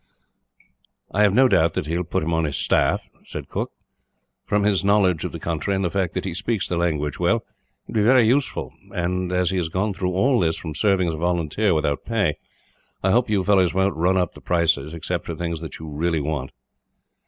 "I have no doubt that he will put him on his staff," he said. "From his knowledge of the country, and the fact that he speaks the language well, he would be very useful and, as he has gone through all this from serving as a volunteer, without pay, I hope you fellows won't run up the prices, except for things that you really want."